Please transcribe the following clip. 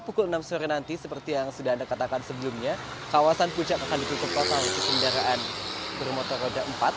pukul enam sore nanti seperti yang sudah anda katakan sebelumnya kawasan puncak akan ditutup total untuk kendaraan bermotor roda empat